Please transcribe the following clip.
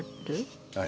はい。